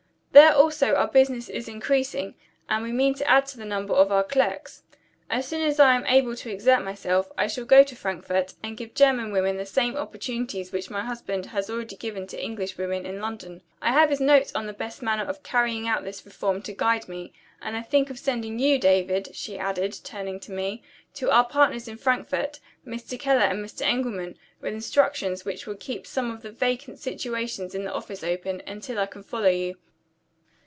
There also our business is increasing, and we mean to add to the number of our clerks. As soon as I am able to exert myself, I shall go to Frankfort, and give German women the same opportunities which my husband has already given to English women in London. I have his notes on the best manner of carrying out this reform to guide me. And I think of sending you, David," she added, turning to me, "to our partners in Frankfort, Mr. Keller and Mr. Engelman, with instructions which will keep some of the vacant situations in the office open, until I can follow you."